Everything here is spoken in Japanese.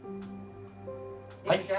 はい。